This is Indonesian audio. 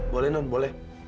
boleh non boleh